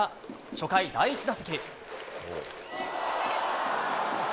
初回、第１打席。